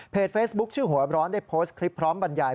เฟซบุ๊คชื่อหัวร้อนได้โพสต์คลิปพร้อมบรรยาย